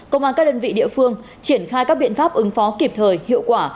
công an các đơn vị địa phương triển khai các biện pháp ứng phó kịp thời hiệu quả